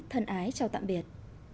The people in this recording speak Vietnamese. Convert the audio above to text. thân ái chào tạm biệt